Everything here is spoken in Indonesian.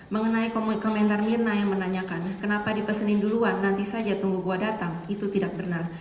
mengenai komentar mirna yang menanyakan kenapa dipesenin duluan nanti saja tunggu gue datang itu tidak benar